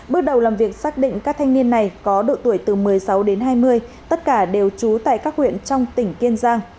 bước đầu làm việc xác định các thanh niên này có độ tuổi từ một mươi sáu đến hai mươi tất cả đều trú tại các huyện trong tỉnh kiên giang